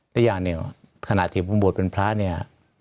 และอย่างหนึ่งขณะที่ผมบวชเป็นพระเนี่ย